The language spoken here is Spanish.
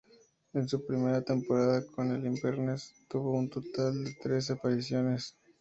En su primera temporada con el Inverness tuvo un total de trece apariciones.